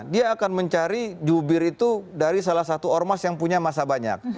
dia akan mencari jubir itu dari salah satu ormas yang punya masa banyak